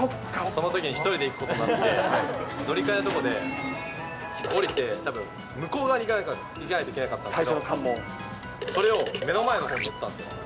そのときに１人で行くことになって、乗り換えのところで、降りて、たぶん向こう側に行かないといけなかったんだけど、それを目の前のほうに乗ったんですよ。